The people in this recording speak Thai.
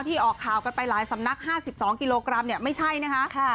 ออกข่าวกันไปหลายสำนัก๕๒กิโลกรัมเนี่ยไม่ใช่นะคะ